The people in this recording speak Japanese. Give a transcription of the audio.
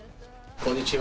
こんにちは。